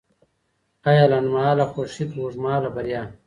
ایا لنډمهاله خوښي که اوږدمهاله بریا؟